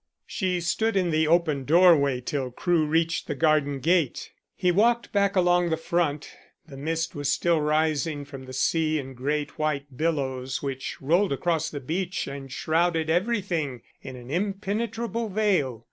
She stood in the open doorway till Crewe reached the garden gate. He walked back along the front. The mist was still rising from the sea in great white billows, which rolled across the beach and shrouded everything in an impenetrable veil.